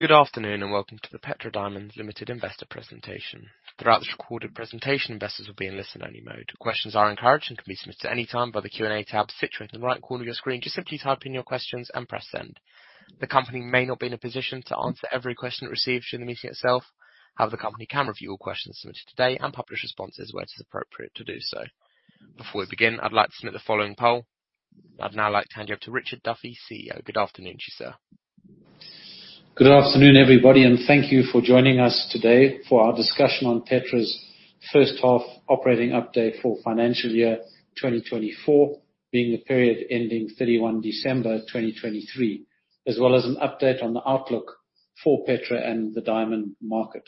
Good afternoon, and welcome to the Petra Diamonds Limited Investor Presentation. Throughout this recorded presentation, investors will be in listen-only mode. Questions are encouraged and can be submitted at any time by the Q&A tab situated in the right corner of your screen. Just simply type in your questions and press Send. The company may not be in a position to answer every question it receives during the meeting itself. However, the company can review all questions submitted today and publish responses where it is appropriate to do so. Before we begin, I'd like to submit the following poll. I'd now like to hand you over to Richard Duffy, CEO. Good afternoon to you, sir. Good afternoon, everybody, and thank you for joining us today for our discussion on Petra's first half operating update for financial year 2024, being the period ending 31 December 2023, as well as an update on the outlook for Petra and the diamond market.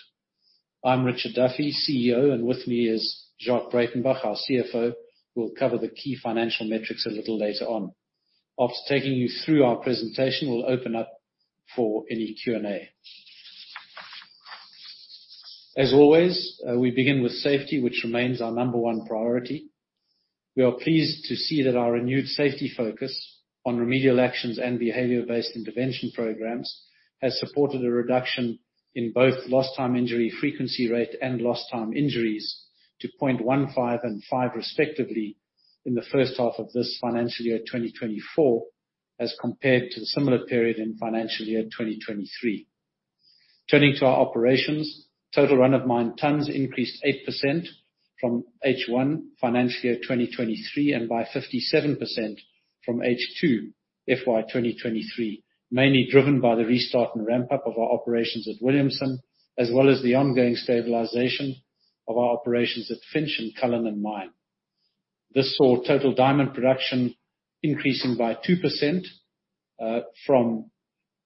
I'm Richard Duffy, CEO, and with me is Jacques Breytenbach, our CFO, who will cover the key financial metrics a little later on. After taking you through our presentation, we'll open up for any Q&A. As always, we begin with safety, which remains our number one priority. We are pleased to see that our renewed safety focus on remedial actions and behavior-based intervention programs has supported a reduction in both Lost Time Injury Frequency Rate and lost time injuries to 0.15, and 5, respectively, in the first half of this financial year, 2024, as compared to the similar period in financial year 2023. Turning to our operations, total run-of-mine tonnes increased 8% from H1 financial year 2023, and by 57% from H2 FY 2023, mainly driven by the restart and ramp-up of our operations at Williamson, as well as the ongoing stabilization of our operations at Finsch and Cullinan Mine. This saw total diamond production increasing by 2% from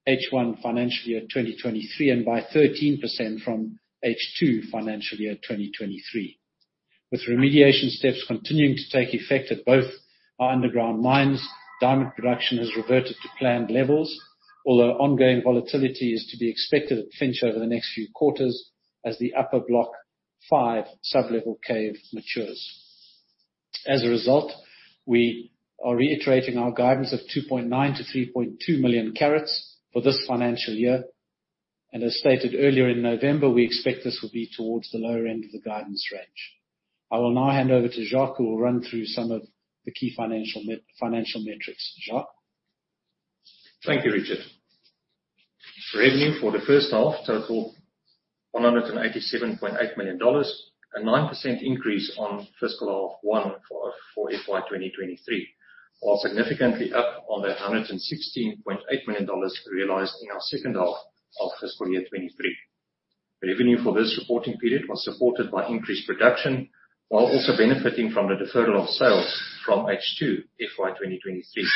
H1 financial year 2023, and by 13% from H2 financial year 2023. With remediation steps continuing to take effect at both our underground mines, diamond production has reverted to planned levels, although ongoing volatility is to be expected at Finsch over the next few quarters as the Upper Block 5 Sub-Level Cave matures. As a result, we are reiterating our guidance of 2.9 million ct-3.2 million ct for this financial year, and as stated earlier in November, we expect this will be towards the lower end of the guidance range. I will now hand over to Jacques, who will run through some of the key financial metrics. Jacques? Thank you, Richard. Revenue for the first half totaled $187.8 million, a 9% increase on fiscal half one for FY 2023, while significantly up on the $116.8 million realized in our second half of fiscal year 2023. Revenue for this reporting period was supported by increased production, while also benefiting from the deferral of sales from H2 FY 2023.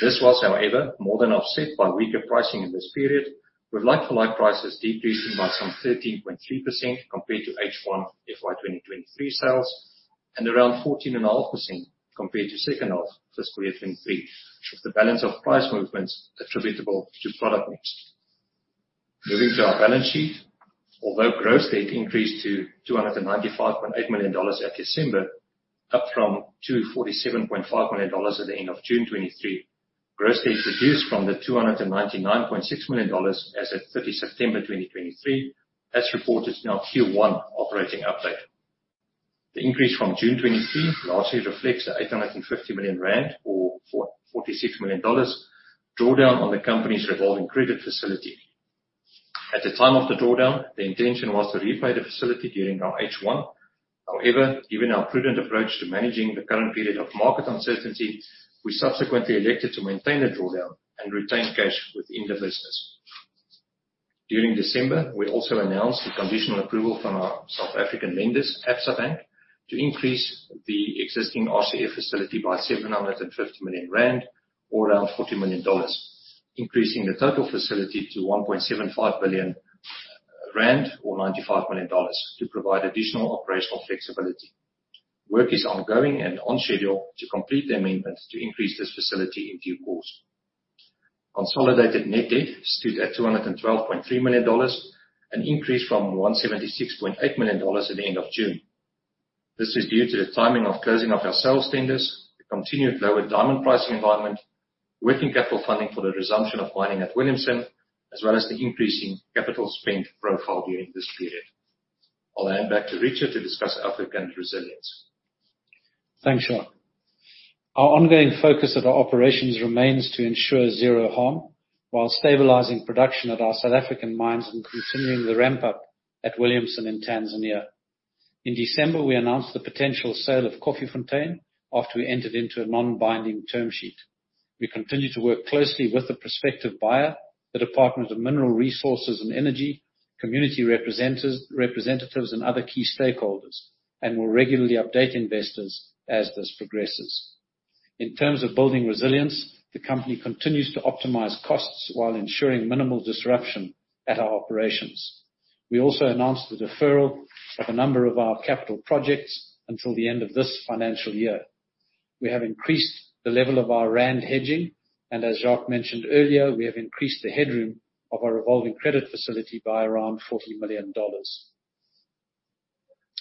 This was, however, more than offset by weaker pricing in this period, with like-for-like prices decreasing by some 13.3% compared to H1 FY 2023 sales, and around 14.5% compared to second half fiscal year 2023, with the balance of price movements attributable to product mix. Moving to our balance sheet, although gross debt increased to $295.8 million at December, up from $247.5 million at the end of June 2023. Gross debt reduced from the $299.6 million as at 30th September 2023, as reported in our Q1 operating update. The increase from June 2023 largely reflects the 850 million rand, or $44.6 million, drawdown on the company's revolving credit facility. At the time of the drawdown, the intention was to repay the facility during our H1. However, given our prudent approach to managing the current period of market uncertainty, we subsequently elected to maintain the drawdown and retain cash within the business. During December, we also announced the conditional approval from our South African lenders, Absa Bank, to increase the existing RCF facility by 750 million rand, or around $40 million, increasing the total facility to 1.75 billion rand, or $95 million, to provide additional operational flexibility. Work is ongoing and on schedule to complete the amendments to increase this facility in due course. Consolidated net debt stood at $212.3 million, an increase from $176.8 million at the end of June. This is due to the timing of closing of our sales tenders, the continued lower diamond pricing environment, working capital funding for the resumption of mining at Williamson, as well as the increasing capital spend profile during this period. I'll hand back to Richard to discuss our current resilience. Thanks, Jacques. Our ongoing focus of our operations remains to ensure zero harm while stabilizing production at our South African mines and continuing the ramp-up at Williamson in Tanzania. In December, we announced the potential sale of Koffiefontein after we entered into a non-binding term sheet. We continue to work closely with the prospective buyer, the Department of Mineral Resources and Energy, community representatives, and other key stakeholders, and will regularly update investors as this progresses. In terms of building resilience, the company continues to optimize costs while ensuring minimal disruption at our operations. We also announced the deferral of a number of our capital projects until the end of this financial year. We have increased the level of our rand hedging, and as Jacques mentioned earlier, we have increased the headroom of our revolving credit facility by around $40 million.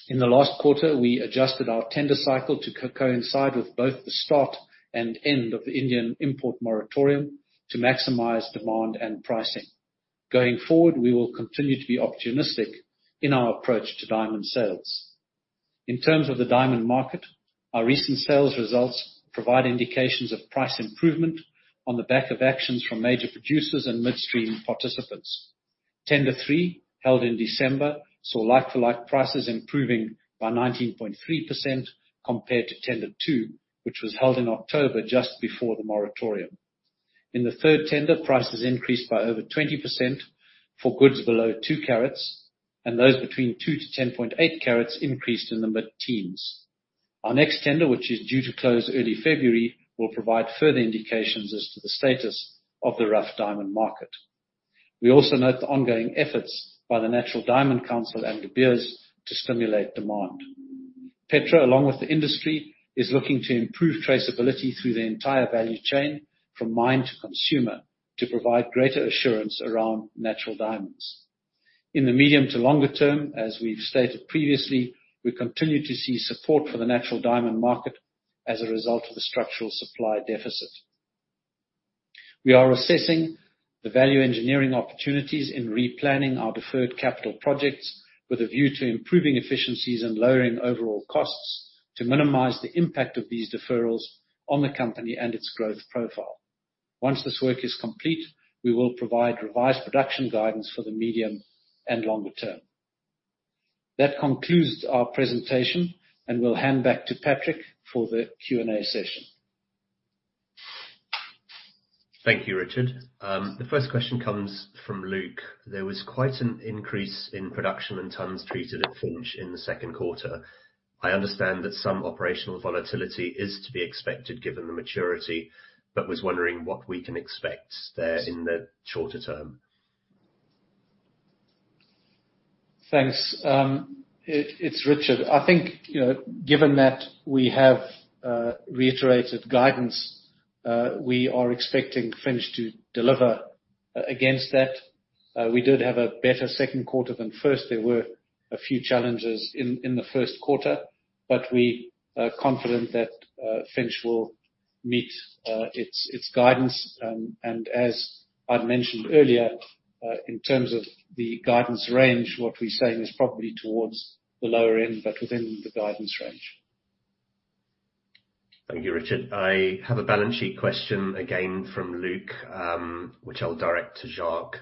In the last quarter, we adjusted our tender cycle to coincide with both the start and end of the Indian import moratorium to maximize demand and pricing. Going forward, we will continue to be opportunistic in our approach to diamond sales. In terms of the diamond market, our recent sales results provide indications of price improvement on the back of actions from major producers and midstream participants. Tender 3, held in December, saw like-for-like prices improving by 19.3% compared to Tender 2, which was held in October, just before the moratorium. In the third tender, prices increased by over 20% for goods below 2 carats, and those between 2-10.8 ct increased in the mid-teens. Our next tender, which is due to close early February, will provide further indications as to the status of the rough diamond market. We also note the ongoing efforts by the Natural Diamond Council and De Beers to stimulate demand. Petra, along with the industry, is looking to improve traceability through the entire value chain, from mine to consumer, to provide greater assurance around natural diamonds. In the medium to longer term, as we've stated previously, we continue to see support for the natural diamond market as a result of the structural supply deficit. We are assessing the value engineering opportunities in replanning our deferred capital projects with a view to improving efficiencies and lowering overall costs, to minimize the impact of these deferrals on the company and its growth profile. Once this work is complete, we will provide revised production guidance for the medium and longer term. That concludes our presentation, and we'll hand back to Patrick for the Q&A session. Thank you, Richard. The first question comes from Luke. There was quite an increase in production in tons treated at Finsch in the second quarter. I understand that some operational volatility is to be expected, given the maturity, but was wondering what we can expect there in the shorter term? Thanks. It's Richard. I think, you know, given that we have reiterated guidance, we are expecting Finsch to deliver against that. We did have a better second quarter than first. There were a few challenges in the first quarter, but we are confident that Finsch will meet its guidance. And as I'd mentioned earlier, in terms of the guidance range, what we're saying is probably towards the lower end, but within the guidance range. Thank you, Richard. I have a balance sheet question again from Luke, which I'll direct to Jacques.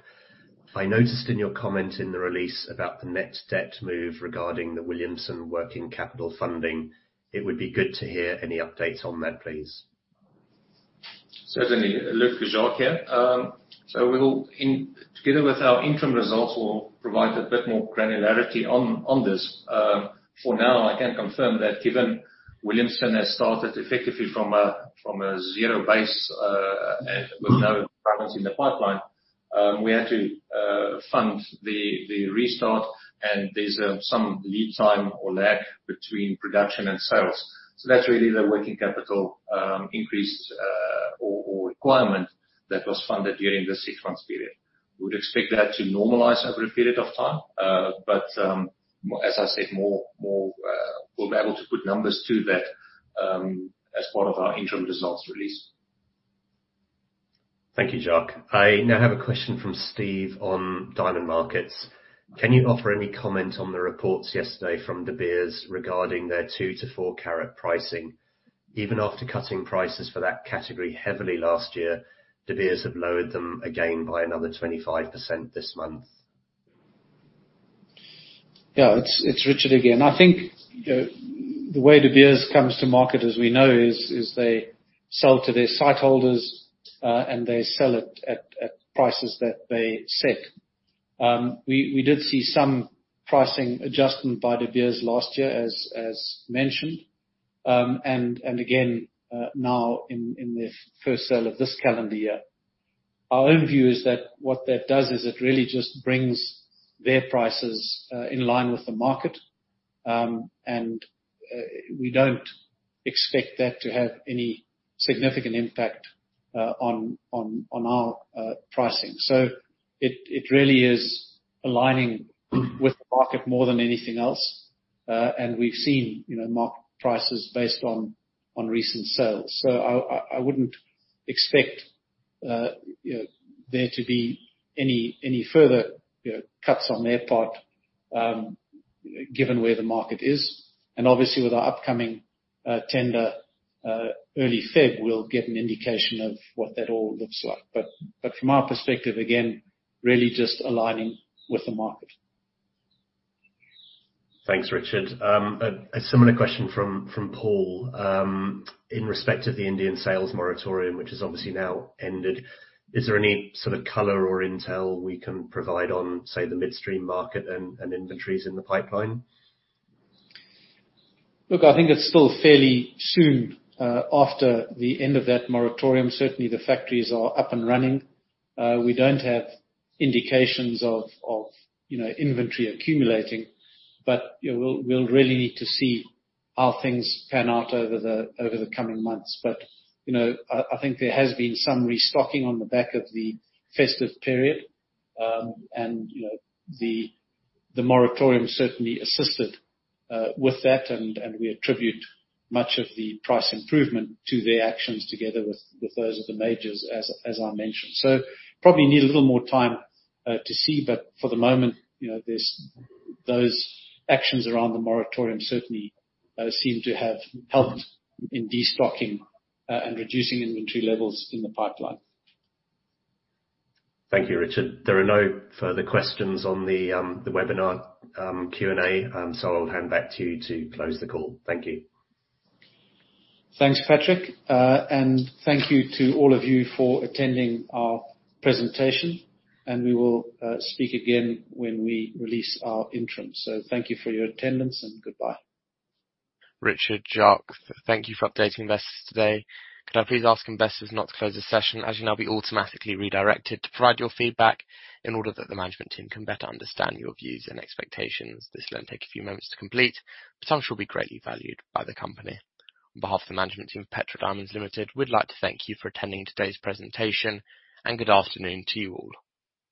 I noticed in your comment in the release about the net debt move regarding the Williamson working capital funding. It would be good to hear any updates on that, please. Certainly, Luke, Jacques here. So, together with our interim results, we'll provide a bit more granularity on this. For now, I can confirm that given Williamson has started effectively from a zero base and with no diamonds in the pipeline, we had to fund the restart, and there's some lead time or lag between production and sales. So that's really the working capital increase or requirement that was funded during this six-month period. We would expect that to normalize over a period of time, but as I said, more we'll be able to put numbers to that as part of our interim results release. Thank you, Jacques. I now have a question from Steve on diamond markets. Can you offer any comment on the reports yesterday from De Beers regarding their 2-4 ct pricing? Even after cutting prices for that category heavily last year, De Beers have lowered them again by another 25% this month. Yeah, it's Richard again. I think, you know, the way De Beers comes to market, as we know, is they sell to their sightholders, and they sell it at prices that they set. We did see some pricing adjustment by De Beers last year, as mentioned, and again now in the first sale of this calendar year. Our own view is that what that does is it really just brings their prices in line with the market. And we don't expect that to have any significant impact on our pricing. So it really is aligning with the market more than anything else. And we've seen, you know, market prices based on recent sales. So I wouldn't expect, you know, there to be any further, you know, cuts on their part, given where the market is. And obviously, with our upcoming tender early February, we'll get an indication of what that all looks like. But from our perspective, again, really just aligning with the market. Thanks, Richard. A similar question from Paul. In respect of the Indian sales moratorium, which has obviously now ended, is there any sort of color or intel we can provide on, say, the midstream market and inventories in the pipeline? Look, I think it's still fairly soon after the end of that moratorium. Certainly, the factories are up and running. We don't have indications of, you know, inventory accumulating, but, you know, we'll really need to see how things pan out over the coming months. But, you know, I think there has been some restocking on the back of the festive period. And, you know, the moratorium certainly assisted with that, and we attribute much of the price improvement to their actions together with those of the majors, as I mentioned. So probably need a little more time to see, but for the moment, you know, there's those actions around the moratorium certainly seem to have helped in destocking and reducing inventory levels in the pipeline. Thank you, Richard. There are no further questions on the webinar Q&A, so I'll hand back to you to close the call. Thank you. Thanks, Patrick, and thank you to all of you for attending our presentation, and we will speak again when we release our interim. So thank you for your attendance, and goodbye. Richard, Jacques, thank you for updating investors today. Could I please ask investors not to close this session, as you'll now be automatically redirected to provide your feedback in order that the management team can better understand your views and expectations. This will only take a few moments to complete, but some shall be greatly valued by the company. On behalf of the management team of Petra Diamonds Limited, we'd like to thank you for attending today's presentation, and good afternoon to you all.